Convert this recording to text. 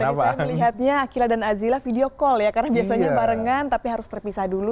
ini saya melihatnya akila dan azila video call ya karena biasanya barengan tapi harus terpisah dulu